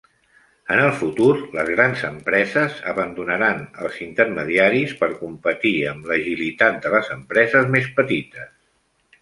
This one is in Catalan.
En el futur, les grans empreses abandonaran els intermediaris per competir amb l'agilitat de les empreses més petites.